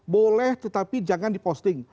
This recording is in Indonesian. boleh tetapi jangan di posting